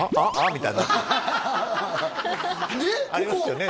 みたいになってありますよね？